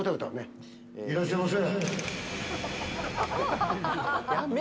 いらっしゃいませ。